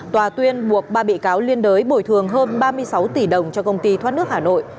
tòa tuyên buộc ba bị cáo liên đới bồi thường hơn ba mươi sáu tỷ đồng cho công ty thoát nước hà nội